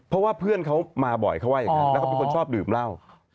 เพราะว่าเพื่อนเขามาบ่อยเขาว่าอย่างนั้นแล้วเขาเป็นคนชอบดื่มเหล้า